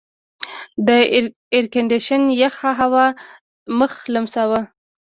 د ایرکنډېشن یخه هوا مخ لمساوه.